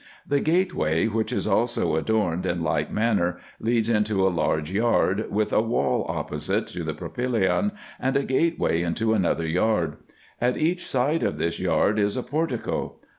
The gateway, which is also adorned in like manner, leads into a large yard, with a wall opposite to the propylaeon, and a gateway into another yard. At each side of this yard is a portico.